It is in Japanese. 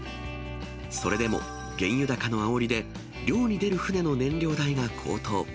それでも原油高のあおりで、漁に出る船の燃料代が高騰。